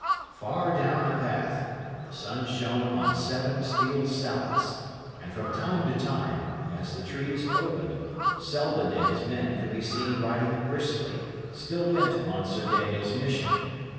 Far down the path, the sun shone on seven steel salets, and from time to time, as the trees opened, Selden and his men could be seen riding briskly, still bent upon Sir Daniel's mission.